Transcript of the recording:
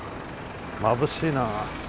まぶしいなあ。